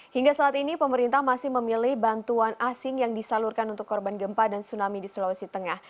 hingga saat ini pemerintah masih memilih bantuan asing yang disalurkan untuk korban gempa dan tsunami di sulawesi tengah